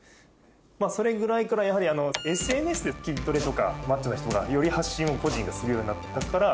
それぐらいからやはりＳＮＳで筋トレとかマッチョな人がより発信を個人がするようになったから。